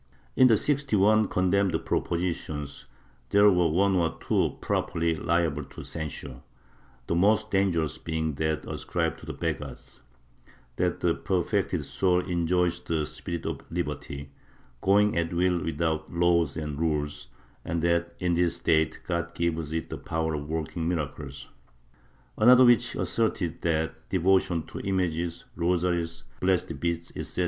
In the sixty one condemned propositions there were one or two properly liable to censure, the most dangerous being that ascribed to the Begghards— that the perfected soul enjoys the spirit of liberty, going at will without laws or rules, and that in this state God gives it the power of working miracles. Another which asserted that devotion to images, rosaries, blessed beads etc.